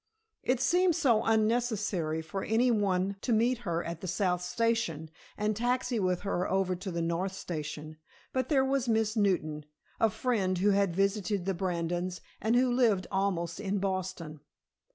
It seemed so unnecessary for any one to meet her at the South Station and taxi with her over to the North Station, but there was Miss Newton, a friend who had visited the Brandons and who lived almost in Boston.